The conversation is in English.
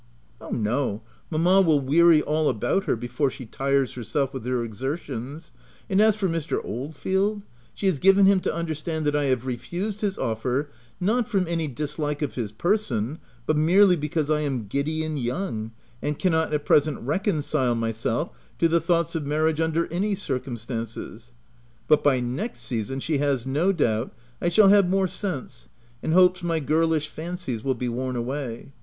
" Oh, no ! mamma will weary all about her before she tires herself with her exertions ; and as for Mr. Oldfield, she has given him to un derstand that I have refused his offer, not from any dislike of his person, but merely because I am giddy and young, and cannot at present reconcile myself to the thoughts of marriage under any circumstances : but, by next season, she has no doubt, I shall have more sense, and hopes my girlish fancies will be worn away.